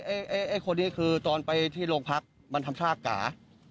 ไอ้คนนี้คือตอนไปที่โรงพักมันทำชาก๋า